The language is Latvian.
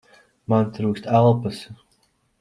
Man trūkst elpas!